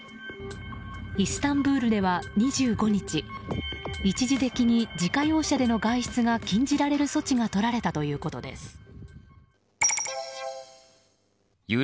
イスタンブールでは２５日一時的に自家用車での外出が禁じられる措置がとられたということです。